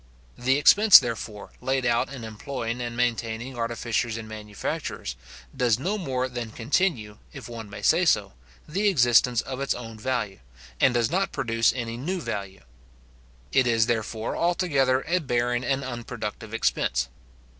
The expense, therefore, laid out in employing and maintaining artificers and manufacturers, does no more than continue, if one may say so, the existence of its own value, and does not produce any new value. It is, therefore, altogether a barren and unproductive expense.